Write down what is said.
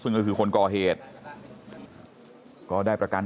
กระดิ่งเสียงเรียกว่าเด็กน้อยจุดประดิ่ง